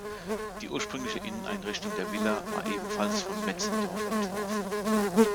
Die ursprüngliche Inneneinrichtung der Villa war ebenfalls von Metzendorf entworfen.